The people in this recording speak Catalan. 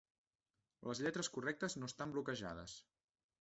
Les lletres correctes no estan "bloquejades".